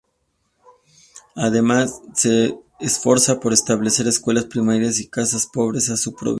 Además, se esforzó por establecer escuelas primarias y casas de pobres en sus provincias.